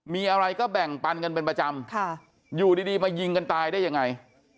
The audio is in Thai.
มีอะไรก็แบ่งปันกันเป็นประจำอยู่ดีมายิงกันตายได้ยังไง